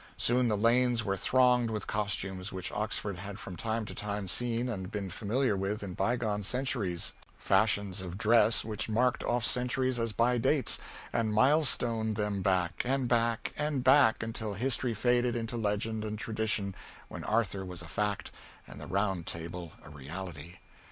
Soon the lanes were thronged with costumes which Oxford had from time to time seen and been familiar with in bygone centuries fashions of dress which marked off centuries as by dates, and mile stoned them back, and back, and back, until history faded into legend and tradition, when Arthur was a fact and the Round Table a reality.